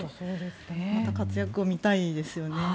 また活躍を見たいですよね。